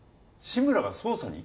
志村が捜査に？